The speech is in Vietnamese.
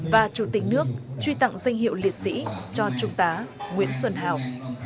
và chủ tịch nước truy tặng danh hiệu liệt sĩ cho trung tá nguyễn xuân hào